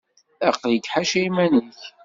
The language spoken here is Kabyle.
Aql-ik ḥaca iman-ik.